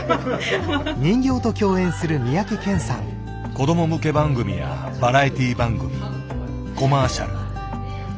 子ども向け番組やバラエティー番組コマーシャル。